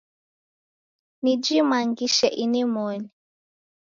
Nijimangishe inimoni